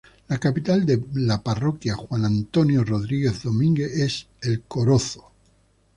La capital de Parroquia Juan Antonio Rodríguez Domínguez es El Corozo.